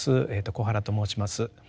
小原と申します。